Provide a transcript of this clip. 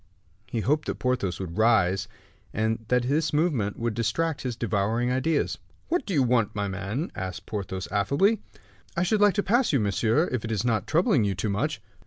He hoped that Porthos would rise and that this movement would distract his devouring ideas. "What do you want, my man?" asked Porthos, affably. "I should like to pass you, monsieur, if it is not troubling you too much."